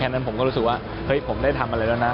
นั้นผมก็รู้สึกว่าเฮ้ยผมได้ทำอะไรแล้วนะ